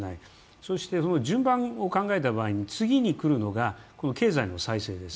そして順番を考えた場合、次にくるのが経済の再生です。